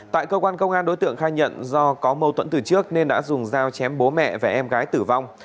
tại cơ quan công an đối tượng khai nhận do có mâu thuẫn từ trước nên đã dùng dao chém bố mẹ và em gái tử vong